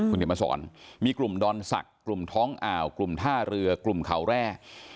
คุณเขียนมาสอนมีกลุ่มดอนศักดิ์กลุ่มท้องอ่าวกลุ่มท่าเรือกลุ่มเขาแร่